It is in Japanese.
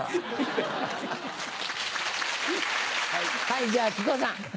はいじゃ木久扇さん。